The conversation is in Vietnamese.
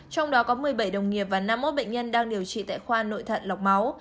trong đó có một mươi bảy đồng nghiệp và năm mươi một bệnh nhân đang điều trị tại khoa nội thận lọc máu